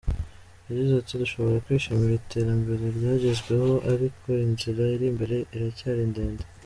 Yagize ati “Dushobora kwishimira iterambere ryagezweho, ariko inzira iri imbere iracyari ndende.